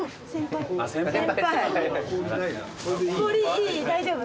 いい大丈夫。